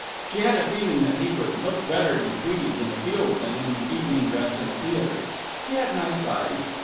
She had a feeling that he would look better in tweeds in a field than in evening dress in a theatre. He had nice eyes.